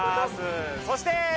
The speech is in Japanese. そして！